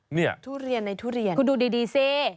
ทุเรียนในทุเรียนคุณดูดีสิ